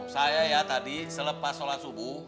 saya ya tadi selepas sholat subuh